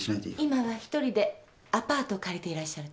今は独りでアパートを借りていらっしゃるとか？